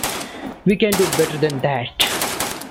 We can do better than that.